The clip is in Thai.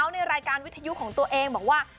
ในรายการวิทยุของตัวเองบอกว่า